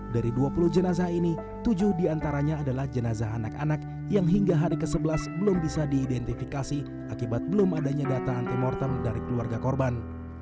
dari dua puluh jenazah ini tujuh diantaranya adalah jenazah anak anak yang hingga hari ke sebelas belum bisa diidentifikasi akibat belum adanya data anti mortem dari keluarga korban